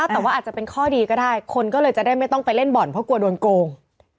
แต่ว่าอาจจะเป็นข้อดีก็ได้คนก็เลยจะได้ไม่ต้องไปเล่นบ่อนเพราะกลัวโดนโกง